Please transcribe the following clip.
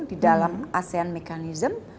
di dalam asean mekanism